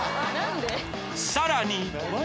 さらに